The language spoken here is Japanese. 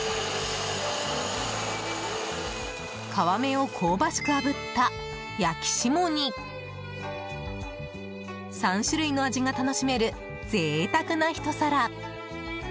皮目を香ばしくあぶった焼き霜に３種類の味が楽しめる贅沢なひと皿。